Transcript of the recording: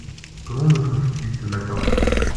Comment me trouves-tu, ce matin ?